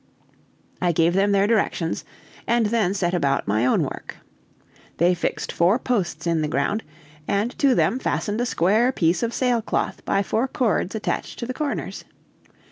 I gave them their directions, and then set about my own work. They fixed four posts in the ground, and to them fastened a square piece of sailcloth by four cords attached to the corners.